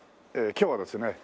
今日はですね